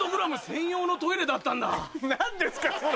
何ですかそれ。